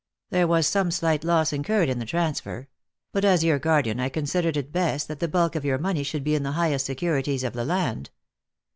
There was some slight loss incurred in the transfer; but as your guardian I considered it best that the bulk of your money should be in the highest securities of the land.